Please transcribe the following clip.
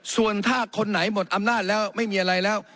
ส่วนถ้าคนไหนหมดอำนาจแล้วไม่มีอะไรแล้ว